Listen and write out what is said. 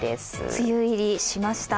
梅雨入りしました。